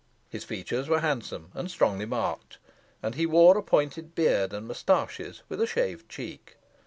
His features were handsome and strongly marked, and he wore a pointed beard and mustaches, with a shaved cheek.